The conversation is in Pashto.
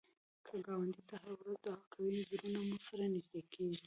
که ګاونډي ته هره ورځ دعا کوې، زړونه مو سره نږدې کېږي